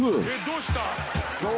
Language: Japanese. どうした？